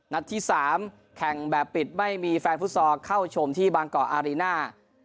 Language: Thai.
นัดที่๓แข่งแบบปิดไม่มีแฟนฟุตซอลเข้าชมที่บางกอกอารีน่า